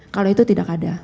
kalau itu tidak ada